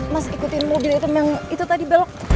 mas ikutin mobil itu yang itu tadi belok